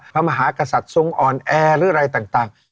พระมหากษัตริย์ทรงอ่อนแอหรืออะไรต่าง